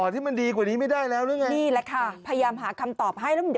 ที่มันดีกว่านี้ไม่ได้แล้วหรือไงนี่แหละค่ะพยายามหาคำตอบให้แล้วมัน